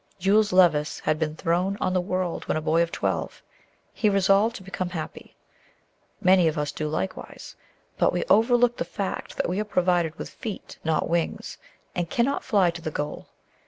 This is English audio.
Jules Levice had been thrown on the world when a boy of twelve. He resolved to become happy. Many of us do likewise; but we overlook the fact that we are provided with feet, not wings, and cannot fly to the goal.